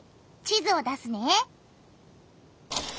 地図を出すね。